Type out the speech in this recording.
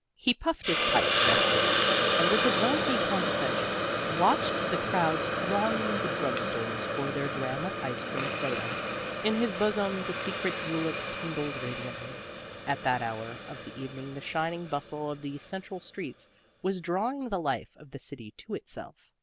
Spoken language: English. He puffed his pipe lustily and with a jaunty condescension watched the crowds thronging the drugstores for their dram of ice cream soda. In his bosom the secret julep tingled radiantly. At that hour of the evening the shining bustle of the central streets was drawing the life of the city to itself.